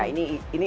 ini ini insuransi